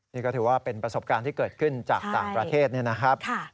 นี่ก็ถือว่าเป็นประสบการณ์ที่เกิดขึ้นจากต่างประเทศนี่นะครับ